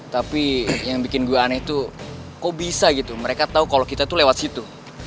tapi yang bikin gue aneh itu kok bisa gitu mereka tahu kalau kita tuh lewat situ